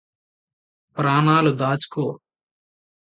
ప్రాణాలు దాచుకో